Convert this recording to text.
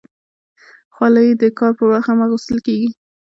خولۍ د کار پر وخت هم اغوستل کېږي.